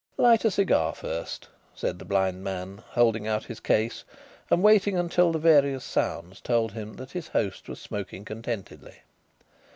"Light a cigar first," said the blind man, holding out his case and waiting until the various sounds told him that his host was smoking contentedly.